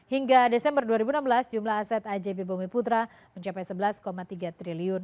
hingga desember dua ribu enam belas jumlah aset ajb bumi putra mencapai rp sebelas tiga triliun